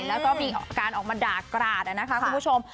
แล้วก็มีการออกมาด่ากราดนะคะคุณผู้ชม